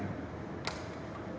demikian dasar dasar pertimbangan lpsk